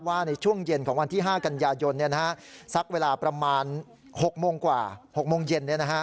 ในช่วงเย็นของวันที่๕กันยายนสักเวลาประมาณ๖โมงกว่า๖โมงเย็น